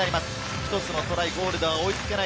一つのトライ、ゴールでは追いつけない